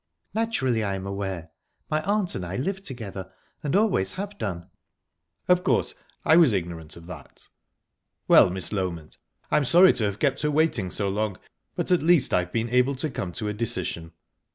"Naturally, I am aware. My aunt and I live together, and always have done." "Of course, I was ignorant of that...Well, Miss Loment, I am sorry to have kept her waiting so long, but at least I've been able to come to a decision.